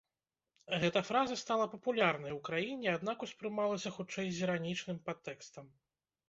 Гэта фраза стала папулярнай у краіне, аднак успрымалася хутчэй з іранічным падтэкстам.